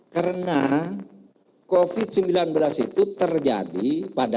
karena covid sembilan belas itu terjadi pada